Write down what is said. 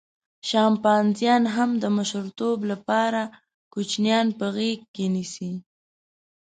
شامپانزیان هم د مشرتوب لپاره کوچنیان په غېږه کې نیسي.